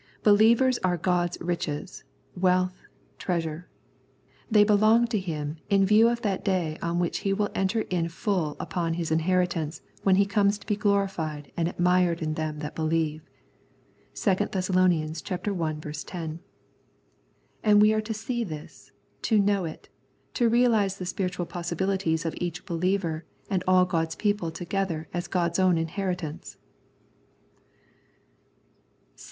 Believers are God's riches, wealth, treasure ; they belong to Him in view of that day on which He will enter in full upon His inheritance when He comes to be glorified and admired in them that believe (2 Thess. i. 10). And we are to see this, to know it, to reaHse the spiritual possibilities of each believer and all God's people together as God's own inheritance.